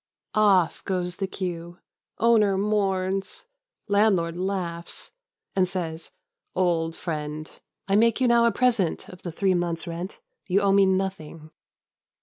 Off goes the queue. Owner mourns. Landlord laughs, and says, "Old friend, I make you now a present of the three months' rent; you owe me nothing."